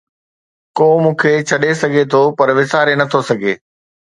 ڪو مون کي ڇڏي سگهي ٿو پر وساري نٿو سگهي